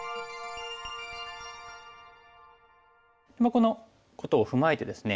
このことを踏まえてですね